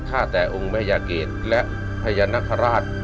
ฆ่าแต่องค์แม่ยาเกตและพญานคราช